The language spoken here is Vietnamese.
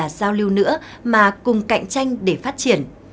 và giao lưu nữa mà cùng cạnh tranh để phát triển